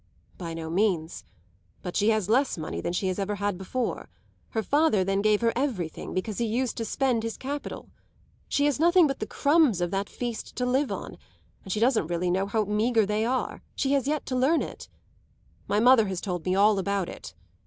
"By no means. But she has less money than she has ever had before. Her father then gave her everything, because he used to spend his capital. She has nothing but the crumbs of that feast to live on, and she doesn't really know how meagre they are she has yet to learn it. My mother has told me all about it.